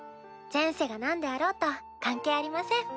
前世が何であろうと関係ありません。